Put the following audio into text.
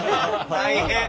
大変。